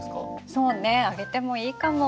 そうねあげてもいいかも。